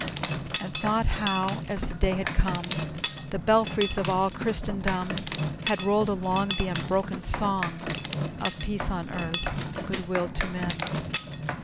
And thought how, as the day had come, The belfries of all Christendom Had rolled along The unbroken song Of peace on earth, good will to men!